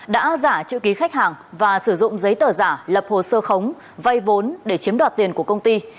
đã giả chữ ký khách hàng và sử dụng giấy tờ giả lập hồ sơ khống vay vốn để chiếm đoạt tiền của công ty